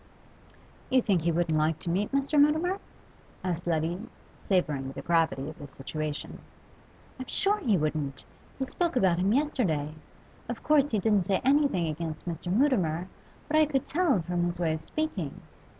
'You think he wouldn't like to meet Mr. Mutimer?' asked Letty, savouring the gravity of the situation. 'I'm sure he wouldn't. He spoke about him yesterday. Of course he didn't say anything against Mr. Mutimer, but I could tell from his way of speaking.